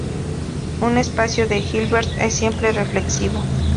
Un espacio de Hilbert es siempre reflexivo.